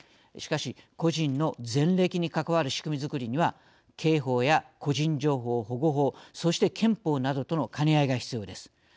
しかし、個人の前歴に関わる仕組み作りには刑法や個人情報保護法そして、憲法などとの兼ね合いが必要です。